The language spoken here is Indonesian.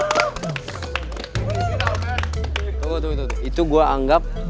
tunggu tunggu itu gue anggap